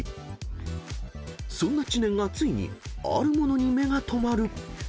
［そんな知念がついにある物に目が留まる］